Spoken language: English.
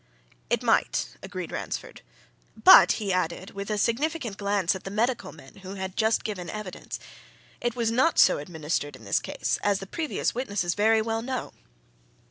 "It might," agreed Ransford. "But," he added, with a significant glance at the medical men who had just given evidence. "It was not so administered in this case, as the previous witnesses very well know!"